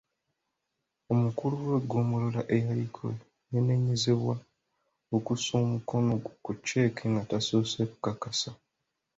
Omukulu w'eggombolola eyaliko yanenyezebwa okussa omukono ku cheque nga tasoose kukakasa.